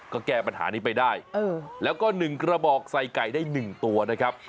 ก็แก้ปัญหานี้ไปได้แล้วก็๑กระบอกใส่ไก่ได้๑ตัวนะครับ